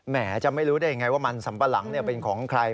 จะไม่รู้ได้ยังไงว่ามันสัมปะหลังเป็นของใคร